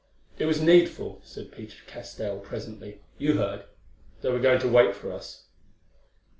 "It was needful," said Peter to Castell presently; "you heard—they were going to wait for us."